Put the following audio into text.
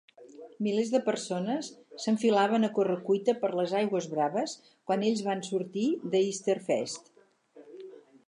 Milers de persones s'enfilaven a corre-cuita per les aigües braves quan ells van sortir d'Easterfest.